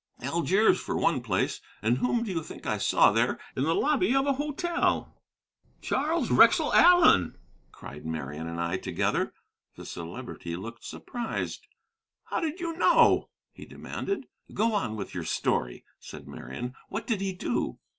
"Algiers, for one place, and whom do you think I saw there, in the lobby of a hotel?" "Charles Wrexell Allen," cried Marian and I together. The Celebrity looked surprised. "How did you know?" he demanded. "Go on with your story," said Marian; "what did he do?"